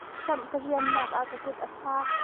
Hramh ka riamnak ah ka kut a faak.